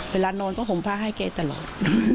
เวลานอนก็ห่มผ้าให้แกตลอด